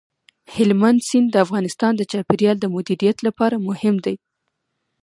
هلمند سیند د افغانستان د چاپیریال د مدیریت لپاره مهم دی.